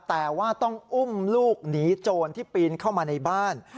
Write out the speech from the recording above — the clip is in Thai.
แต่ว่าต้องอุ้มลูกหนีโจรที่ปีนเข้ามาในบ้าน